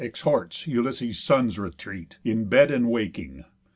Exhorts Ulysses' son's retreat, In bed, and waking.